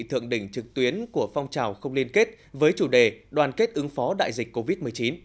thượng đỉnh trực tuyến của phong trào không liên kết với chủ đề đoàn kết ứng phó đại dịch covid một mươi chín